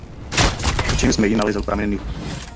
V James May „nalezl“ pramen Nilu.